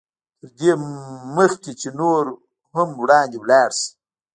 تر دې مخکې چې نور هم وړاندې ولاړ شئ.